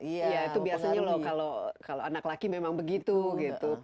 iya itu biasanya loh kalau anak laki memang begitu gitu